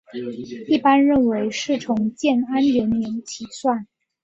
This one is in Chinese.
一般认为是从建安元年起算。